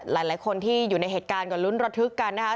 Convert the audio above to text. หลายคนที่อยู่ในเหตุการณ์ก็ลุ้นระทึกกันนะครับ